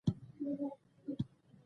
امت د خپل مشر د انتخاب حق لري.